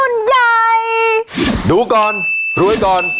ทางหน้าจอธรรมดิการ